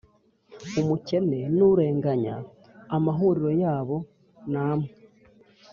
umukene n’urenganya amahuriro yabo ni amwe